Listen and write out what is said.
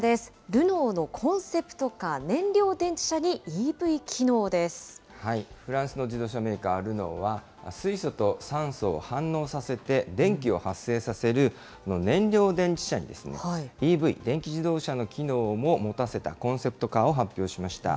ルノーのコンセプトカー、フランスの自動車メーカー、ルノーは、水素と酸素を反応させて、電気を発生させる燃料電池車に、ＥＶ・電気自動車の機能も持たせたコンセプトカーを発表しました。